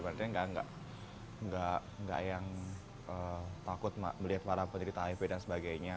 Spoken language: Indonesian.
berarti tidak takut melihat para penderita hiv dan sebagainya